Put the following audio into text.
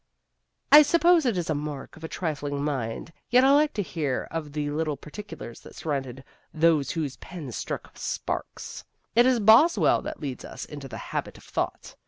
I suppose it is the mark of a trifling mind, yet I like to hear of the little particulars that surrounded those whose pens struck sparks. It is Boswell that leads us into that habit of thought.